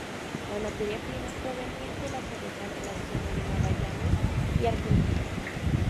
La materia prima provenía de las ovejas de la zona de Magallanes y Argentina.